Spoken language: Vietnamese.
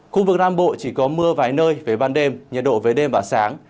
khu vực nam bộ chỉ có mưa vài nơi về ban đêm nhiệt độ về đêm và sáng